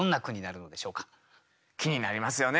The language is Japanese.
気になりますよね。